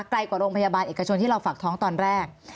ไกลกว่าโรงพยาบาลเอกชนที่เราฝากท้องตอนแรก